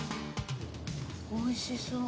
おいしそう。